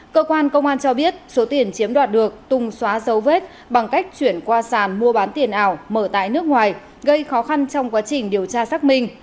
cơ quan công an cho biết số tiền chiếm đoạt được tùng xóa dấu vết bằng cách chuyển qua sàn mua bán tiền ảo mở tại nước ngoài gây khó khăn trong quá trình điều tra xác minh